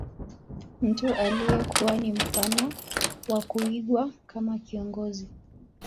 Mtu aliyekuwa ni mfano wa kuigwa kama kiongozi